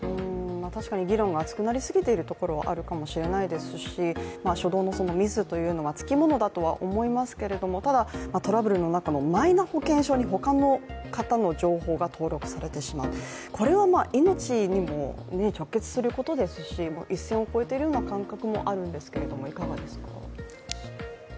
確かに議論が熱くなりすぎているところはあるかもしれないですし、初動のミスというのもつきものだとは思いますが、ただ、トラブルの中のマイナ保険証にほかの方の情報が登録されてしまう、これは命にも直結することですし一線を越えているような感覚もあるんですがいかがですか？